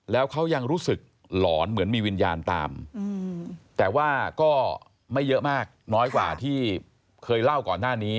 แล้วเขายังรู้สึกหลอนเหมือนมีวิญญาณตามแต่ว่าก็ไม่เยอะมากน้อยกว่าที่เคยเล่าก่อนหน้านี้